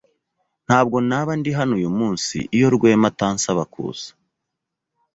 Ntabwo naba ndi hano uyu munsi iyo Rwema atansaba kuza.